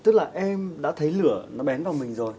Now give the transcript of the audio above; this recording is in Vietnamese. tức là em đã thấy lửa nó bén vào mình rồi